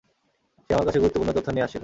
সে আমার কাছে গুরুত্বপূর্ণ তথ্য নিয়ে আসছিল।